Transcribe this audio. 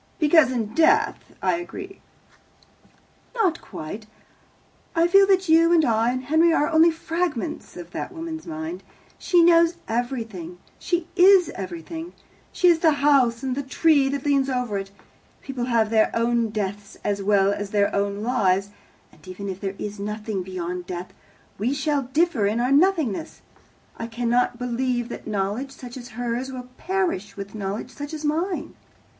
"Because in death I agree." "Not quite. I feel that you and I and Henry are only fragments of that woman's mind. She knows everything. She is everything. She is the house, and the tree that leans over it. People have their own deaths as well as their own lives, and even if there is nothing beyond death, we shall differ in our nothingness. I cannot believe that knowledge such as hers will perish with knowledge such as mine.